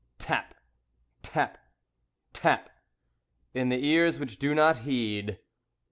Tap! Tap! Tap! In the ears which do not heed.